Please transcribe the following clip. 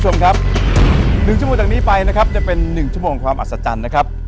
คุณผู้ชมครับ๑ชั่วโมงจากนี้ไปนะครับจะเป็น๑ชั่วโมงความอัศจรรย์นะครับ